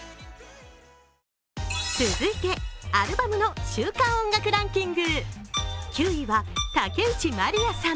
続いて、アルバムの週間音楽ランキング。